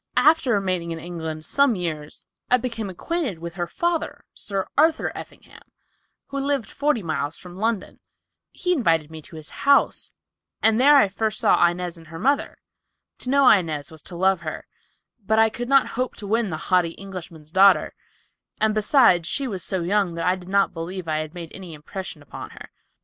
"After remaining in England some years I became acquainted with her father, Sir Arthur Effingham, who lived forty miles from London. He invited me to visit his house and there I first saw Inez and her mother. To know Inez was to love her, but I could not hope to win the haughty Englishman's daughter, and besides she was so young that I did not believe I had made any impression upon her.